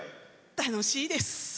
楽しいです！